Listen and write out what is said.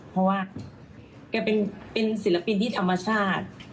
เพราะว่าแกเป็นศิลปินที่ธรรมชาติ